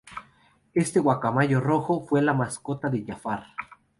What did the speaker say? Este guacamayo rojo fue la mascota de Jafar.